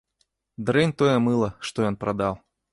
Дрэнь тое мыла, што ён прадаў.